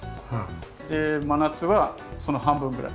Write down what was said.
で真夏はその半分ぐらい。